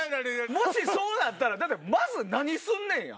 もしそうなったらまず何すんねんや？